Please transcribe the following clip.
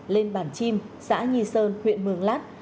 lên bản chim xã nhi sơn huyện mường lát